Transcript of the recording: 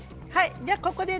じゃここでね